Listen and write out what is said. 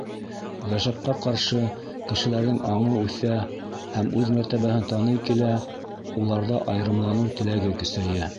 Ғәжәпкә ҡаршы, кешеләрҙең аңы үҫә һәм үҙ мәртәбәһен таный килә, уларҙа айырымланыу теләге көсәйә.